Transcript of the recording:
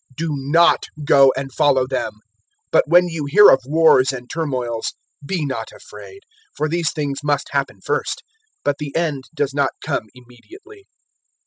Do not go and follow them. 021:009 But when you hear of wars and turmoils, be not afraid; for these things must happen first, but the end does not come immediately."